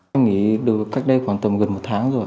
em nghĩ được cách đây khoảng tầm gần một tháng rồi